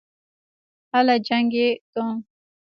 اله جګ يې که.